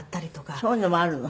そういうのもあるの？